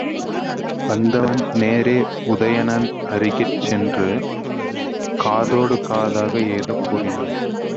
வந்தவன் நேரே உதயணன் அருகிற் சென்று காதோடு காதாக ஏதோ கூறினான்.